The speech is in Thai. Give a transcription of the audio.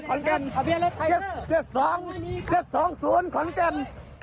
๗๒๐ขอนเก่น